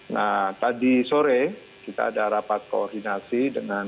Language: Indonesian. nah tadi sore kita ada rapat koordinasi dengan